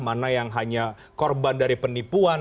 mana yang hanya korban dari penipuan